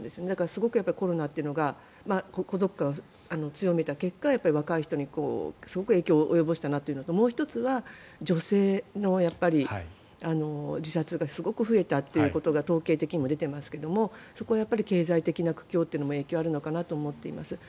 すごくコロナというのが孤独感を強めた結果若い人にすごく影響を及ぼしたなというのともう１つは女性の自殺がすごく増えたということが統計的にも出ていますがそこがやっぱり経済的な苦境も影響になっているのかなと思います。